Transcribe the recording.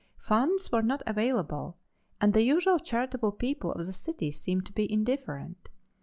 Funds were not available and the usually charitable people of the city seemed to be indifferent.